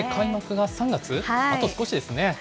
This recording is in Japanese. あと少しですね。